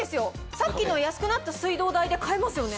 さっきの安くなった水道代で買えますよね？